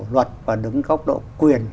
luật và đứng góc độ quyền